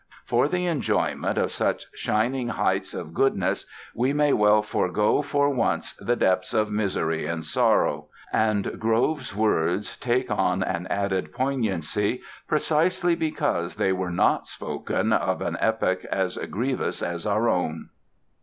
For the enjoyment of such shining heights of goodness we may well forego for once the depths of misery and sorrow". And Grove's words taken on an added poignancy precisely because they were not spoken of an epoch as grievous as our own!